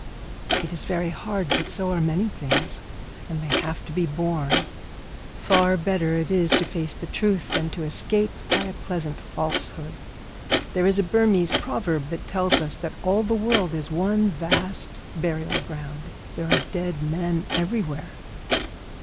It is very hard, but so are many things, and they have to be borne. Far better it is to face the truth than to escape by a pleasant falsehood. There is a Burmese proverb that tells us that all the world is one vast burial ground; there are dead men everywhere.'